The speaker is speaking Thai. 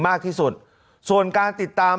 มากที่สุดส่วนการติดตาม